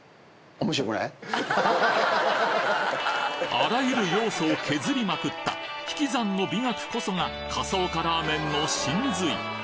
あらゆる要素を削りまくった引き算の美学こそが笠岡ラーメンの神髄！